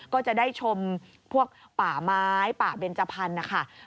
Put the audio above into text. ก็จะได้ชมพวกป่าไม้ป่าเบนจพันธุ์นะคะ